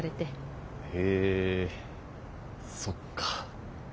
へえそっか。